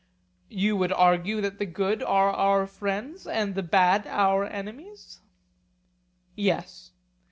You would argue that the good are our friends and the bad our enemies? Yes.